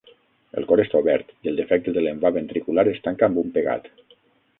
El cor està obert i el defecte de l'envà ventricular es tanca amb un pegat.